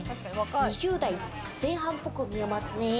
２０代前半っぽく見えますね。